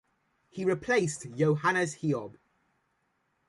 He replaced Johannes Hiob.